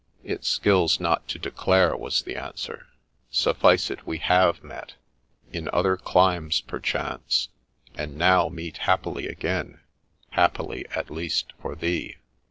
4 It skills not to declare,' was the answer ; 4 suffice it we have met — in other climes perchance — and now meet happily again — happily at least for thee.'